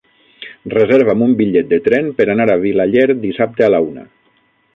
Reserva'm un bitllet de tren per anar a Vilaller dissabte a la una.